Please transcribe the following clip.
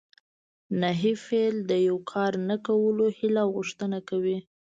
نهي فعل د یو کار نه کولو هیله او غوښتنه کوي.